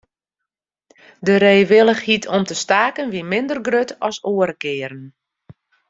De reewillichheid om te staken wie minder grut as oare kearen.